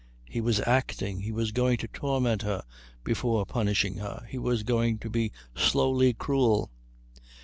He was acting. He was going to torment her before punishing her. He was going to be slowly cruel.